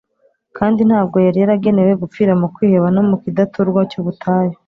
kandi ntabwo yari yaragenewe gupfira mu kwiheba no mu kidaturwa cy'ubutayu,